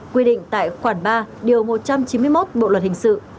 quy định tại khoản ba điều một trăm chín mươi một bộ luật hình sự